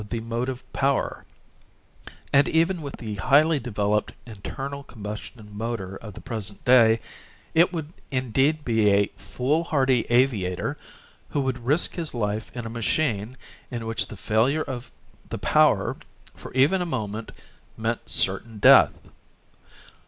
16. Combination Dirigible and Aeroplane the motive power, and even with the highly developed internal com bustion motor of the present day, it would indeed be a foolhardy aviator who would risk his life in a machine in which the failure of the power for even a moment meant certain death.